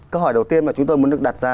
câu hỏi đầu tiên mà chúng tôi muốn được đặt ra